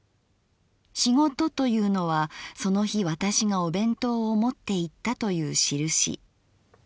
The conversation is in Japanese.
『仕事』というのはその日私がお弁当を持っていったというしるし。